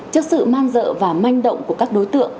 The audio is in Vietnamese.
trước sự man dợ và manh động của các đối tượng